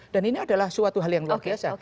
dan ini adalah suatu hal yang luar biasa